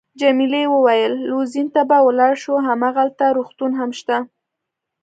جميلې وويل:: لوزین ته به ولاړ شو، هماغلته روغتون هم شته.